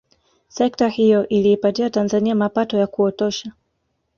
Sekta hiyo iliipatia Tanzania mapato ya kuotosha